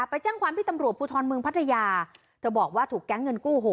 ไปแจ้งความที่ตำรวจภูทรเมืองพัทยาเธอบอกว่าถูกแก๊งเงินกู้โห